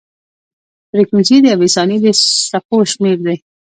فریکونسي د یوې ثانیې د څپو شمېر دی.